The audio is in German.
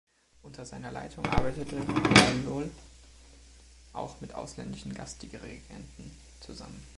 Unter seiner Leitung arbeitete Hlahol auch mit ausländischen Gastdirigenten zusammen.